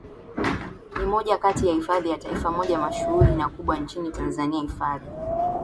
ni moja kati ya hifadhi za Taifamoja mashuhuri na kubwa nchini Tanzania Hifadhi